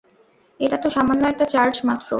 এটা তো সামান্য একটা চার্চ মাত্র!